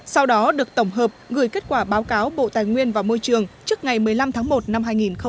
sau đó được tổng hợp gửi kết quả báo cáo bộ tài nguyên và môi trường trước ngày một mươi năm tháng một năm hai nghìn hai mươi